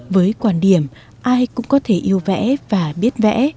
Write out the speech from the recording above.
với quan điểm ai cũng có thể yêu vẽ và biết vẽ